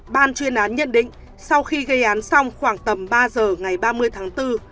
ban chuyên án nhận định sau khi gây án xong khoảng tầm ba giờ ngày ba mươi tháng bốn